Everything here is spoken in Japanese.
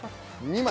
２枚。